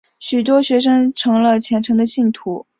许多学生成了虔诚的信徒。